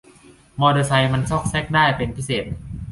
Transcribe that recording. มอเตอร์ไซค์มันซอกแซกได้เป็นพิเศษน่ะ